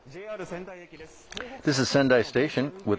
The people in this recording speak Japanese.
ＪＲ仙台駅です。